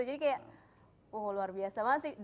jadi kayak wah luar biasa